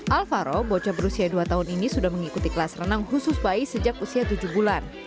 alvaro bocah berusia dua tahun ini sudah mengikuti kelas renang khusus bayi sejak usia tujuh bulan